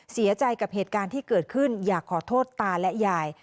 เสียใจกับเหตุการณ์ที่เกิดขึ้นอยากขอโทษตาและยาย